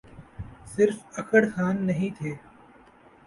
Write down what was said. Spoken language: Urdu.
صرف اکڑ خان نہیں تھے۔